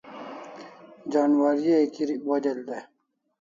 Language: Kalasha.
Janwari ai kirik bo del dai